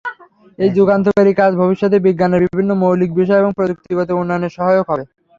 এই যুগান্তকারী কাজ ভবিষ্যতে বিজ্ঞানের বিভিন্ন মৌলিক বিষয়ে এবং প্রযুক্তিগত উন্নয়নে সহায়ক হবে।